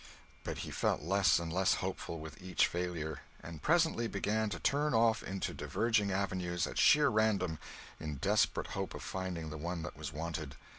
But he felt less and less hopeful with each failure, and presently began to turn off into diverging avenues at sheer random, in desperate hope of finding the one that was wanted.